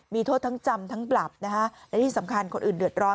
มีโทษทั้งจำทั้งปรับนะคะและที่สำคัญคนอื่นเดือดร้อน